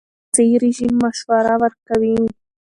ډاکټران د غذايي رژیم مشوره ورکوي.